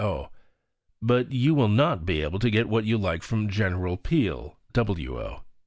O.], but you will not be able to get what you like from Gen. Peel [W.O.